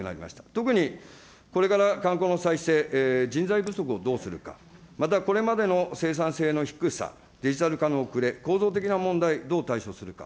特にこれから観光の再生、人材不足をどうするか、またこれまでの生産性の低さ、デジタル化の遅れ、構造的な問題、どう対処するか。